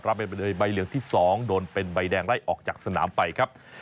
ไปเลยใบเหลืองที่๒โดนเป็นใบแดงไล่ออกจากสนามไปครับ